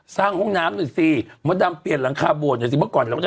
สร้างห้องน้ำนึกสิมะดำเปลี่ยนหลังคาบวง